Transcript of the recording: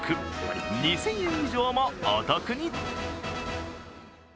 ２０００円以上もお得に。